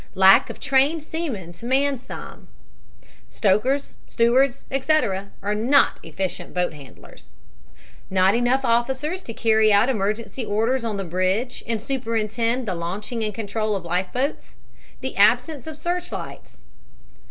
lack of trained seamen to man same (stokers, stewards, etc., are not efficient boat handlers); not enough officers to carry out emergency orders on the bridge and superintend the launching and control of life boats; the absence of search lights.